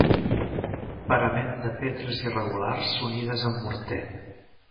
Parament de pedres irregulars unides amb morter.